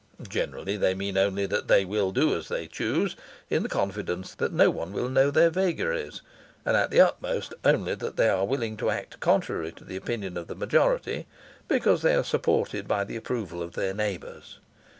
Generally they mean only that they will do as they choose, in the confidence that no one will know their vagaries; and at the utmost only that they are willing to act contrary to the opinion of the majority because they are supported by the approval of their neighbours.